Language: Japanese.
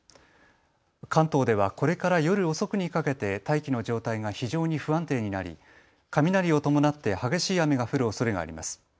関東ではこれから夜遅くにかけて大気の状態が非常に不安定になり雷を伴って激しい雨が降るおそれがあります。